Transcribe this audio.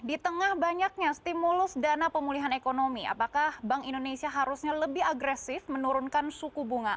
di tengah banyaknya stimulus dana pemulihan ekonomi apakah bank indonesia harusnya lebih agresif menurunkan suku bunga